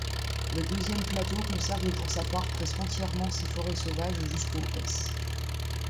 Le deuxième plateau conserve pour sa part presque entièrement ses forêts sauvages jusqu'aux s.